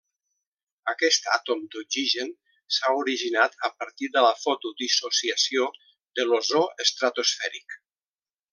Aquest àtom d'oxigen s'ha originat a partir de la fotodissociació de l'ozó estratosfèric.